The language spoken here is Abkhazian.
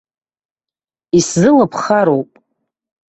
Исзылыԥхароуп.